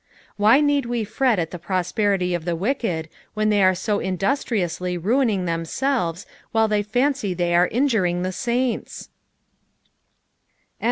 Why need we fret at the prosperity of the wicked when they arc so industriously ruining themselves while they fancy they arc injuring the saints ) PBA.